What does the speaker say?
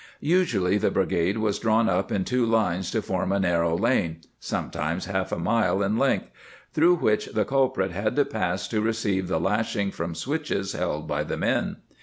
^ Usually the brigade was drawn up in two lines to form a narrow lane (sometimes half a mile in length), through which the culprit had to pass to receive the lashing from switches held by the men.